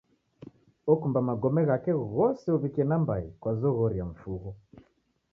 Okumba magome ghape ghose uw'ikie nambai kwa zoghori ya mifugho.